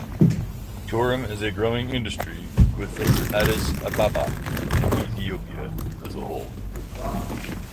Tourism is a growing industry within Addis Ababa and Ethiopia as a whole.